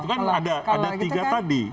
kan ada tiga tadi